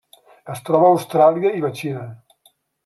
Es troba a Austràlia i la Xina.